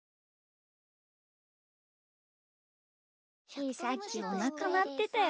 ひーさっきおなかなってたよ。